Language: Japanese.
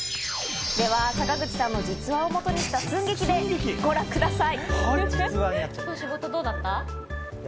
では坂口さんの実話をもとにした寸劇でご覧ください。